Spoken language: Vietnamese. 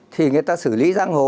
thì người ta xử lý giang hồ